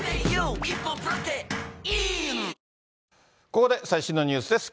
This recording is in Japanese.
ここで最新のニュースです。